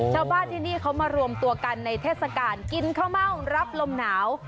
ชาวบ้านที่นี่เขามารวมตัวกันในเทศกาลกินข้าวเม่ารับลมหนาว